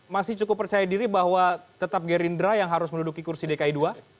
masih cukup percaya diri bahwa tetap gerindra yang harus menduduki kursi dki dua